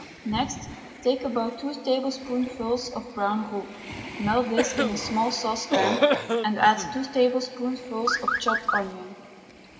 Next take about two tablespoonfuls of brown roux, melt this in a small saucepan, and add two tablespoonfuls of chopped onion.